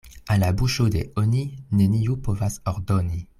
Al la buŝo de "oni" neniu povas ordoni.